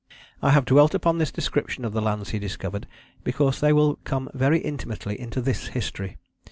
I have dwelt upon this description of the lands he discovered because they will come very intimately into this history.